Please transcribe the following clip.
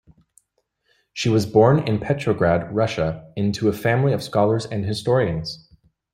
She was born in Petrograd, Russia into a family of scholars and historians.